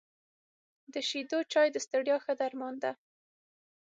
د شيدو چای د ستړیا ښه درمان ده .